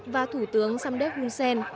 và thủ tướng samdet hunsen